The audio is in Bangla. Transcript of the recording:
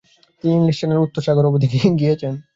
তিনি ইংলিশ চ্যানেল থেকে উত্তর সাগর অবধি গিয়েছেন।